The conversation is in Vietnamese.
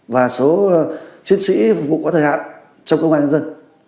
và số chiến sĩ phục vụ có thời hạn trong công an nhân dân